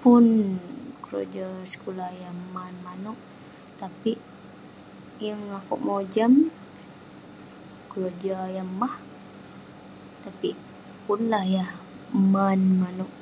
Pun keroja sekulah yah man manouk. Tapik yeng akouk mojam, keroja yah mah. Tapik pun lah yah man manouk.